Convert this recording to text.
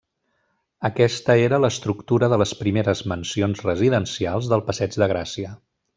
Aquesta era l'estructura de les primeres mansions residencials del passeig de Gràcia.